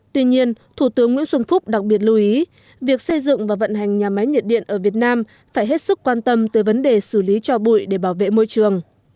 tuy nhiên thủ tướng nguyễn xuân phúc đặc biệt lưu ý việc xây dựng và vận hành nhà máy nhiệt điện ở việt nam phải hết sức quan tâm tới vấn đề xử lý cho bụi để bảo vệ môi trường